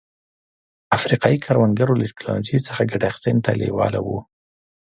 افریقايي کروندګر له ټکنالوژۍ څخه ګټې اخیستنې ته لېواله وو.